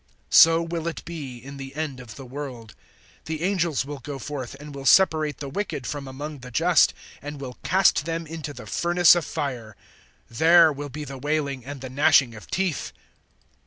(49)So will it be in the end of the world. The angels will go forth, and will separate the wicked from among the just, (50)and will cast them into the furnace of fire; there will be the wailing, and the gnashing of teeth!